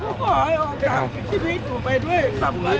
หนูขอให้ออกจากชีวิตหนูไปด้วย